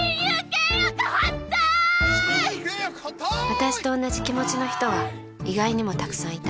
私と同じ気持ちの人は意外にもたくさんいた